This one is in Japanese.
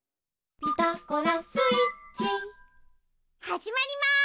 はじまります！